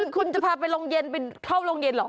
คุณจะพาไปเข้าไปโรงเย็นเหรอ